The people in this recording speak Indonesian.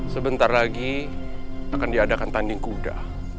sebentar lagi akan diadakan tanding kuda